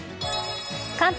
関東